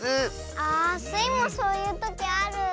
あスイもそういうときある。